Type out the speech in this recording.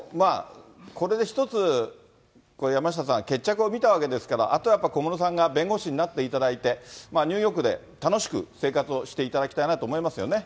これで一つ、山下さん、決着を見たわけですから、あとはやっぱり、小室さんが弁護士になっていただいて、ニューヨークで楽しく生活をしていただきたいなと思いますよね。